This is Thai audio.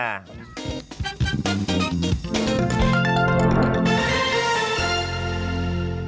สวัสดีครับ